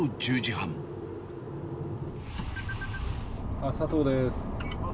あ、佐藤です。